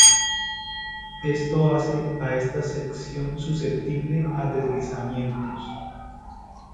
Esto hace a esta sección susceptible a deslizamientos.